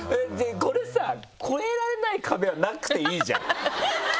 これさ「越えられない壁」はなくていいじゃん。